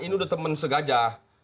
ini sudah teman segajah